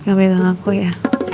gak beda ngaku ya